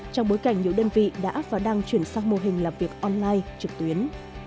trong bối cảnh nhiều đơn vị đã và đang chuyển sang mô hình làm việc online trực tuyến